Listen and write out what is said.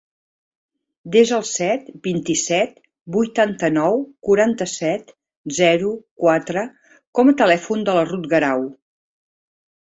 Desa el set, vint-i-set, vuitanta-nou, quaranta-set, zero, quatre com a telèfon de la Ruth Garau.